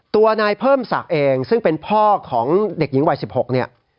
ตัวนายเพิ่มศักดิ์เองซึ่งเป็นพ่อของเด็กหญิงวัย๑๖เนี่ย